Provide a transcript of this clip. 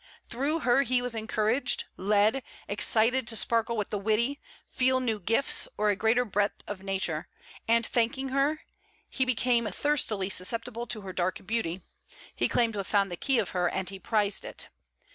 Through her he was encouraged, led, excited to sparkle with the witty, feel new gifts, or a greater breadth of nature; and thanking her, he became thirstily susceptible to her dark beauty; he claimed to have found the key of her, and he prized it.